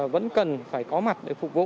vẫn cần phải có mặt để phục vụ